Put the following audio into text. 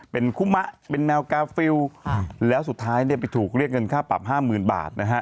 เป็นคุมะเป็นแนวกาฟิลแล้วสุดท้ายเนี่ยไปถูกเรียกเงินค่าปรับ๕๐๐๐บาทนะฮะ